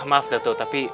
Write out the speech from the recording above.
mahf datu tapi